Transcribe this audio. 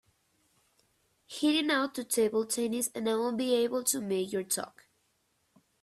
Heading out to table tennis and I won’t be able to make your talk.